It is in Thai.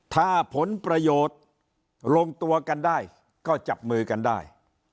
ถ้าผลประโยชน์ลงตัวกันได้ก็จับมือกันได้